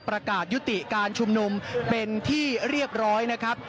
ประกาศยุติการชุมนุมเป็นที่เรียบร้อยนะครับ